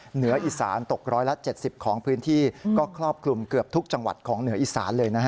เหนืออีสานตกร้อยละ๗๐ของพื้นที่ก็ครอบคลุมเกือบทุกจังหวัดของเหนืออีสานเลยนะฮะ